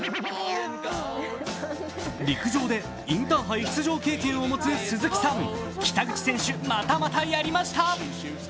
陸上でインターハイ出場経験を持つ鈴木さん、北口選手、またまたやりました！